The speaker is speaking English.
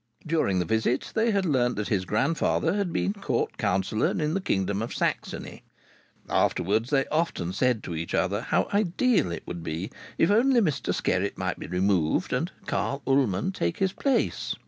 During the visit they had learnt that his grandfather had been Court Councillor in the Kingdom of Saxony. Afterwards they often said to each other how ideal it would be if only Mr Skerritt might be removed and Carl Ullman take his place.